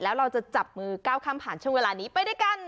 แล้วเราจะจับมือก้าวข้ามผ่านช่วงเวลานี้ไปด้วยกัน